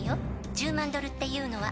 １０万ドルっていうのは」